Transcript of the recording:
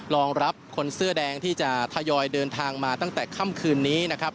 รองรับคนเสื้อแดงที่จะทยอยเดินทางมาตั้งแต่ค่ำคืนนี้นะครับ